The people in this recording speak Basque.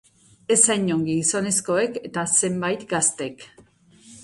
Ez hain ongi gizonezkoek eta zenbait gaztek.